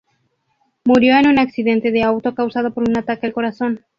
Murió en un accidente de auto causado por un ataque al corazón.